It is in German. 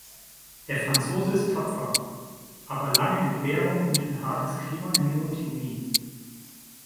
Der Franzose ist tapfer; aber lange Entbehrungen und ein hartes Klima entmutigen ihn.